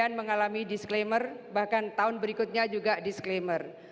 dan mengalami disclaimer bahkan tahun berikutnya juga disclaimer